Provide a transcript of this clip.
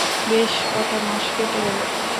বেশ কটা মাস কেটে গেল।